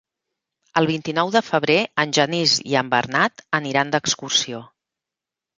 El vint-i-nou de febrer en Genís i en Bernat aniran d'excursió.